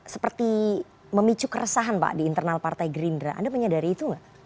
seperti memicu keresahan pak di internal partai gerindra anda menyadari itu nggak